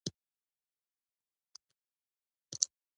دغه نښې دلته په لنډه توګه له بېلګو سره راغلي دي.